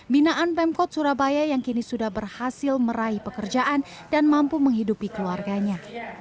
binaan pemkot surabaya yang kini sudah berhasil meraih pekerjaan dan mampu menghidupi keluarganya